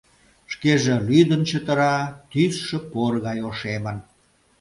Шкеже лӱдын, чытыра, тӱсшӧ пор гай ошемын.